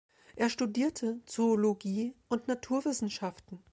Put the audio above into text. Er studierte Zoologie und Naturwissenschaften.